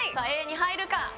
Ａに入るか？